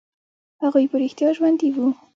هغوى په رښتيا ژوندي وو.